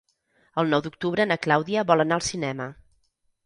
El nou d'octubre na Clàudia vol anar al cinema.